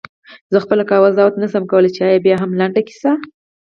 زه خپله قضاوت نه شم کولای چې آیا بیاهم لنډه کیسه؟ …